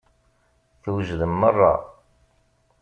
Twejdem meṛṛa.